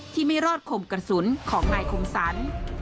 ไม่รอดคมกระสุนของนายคมสรร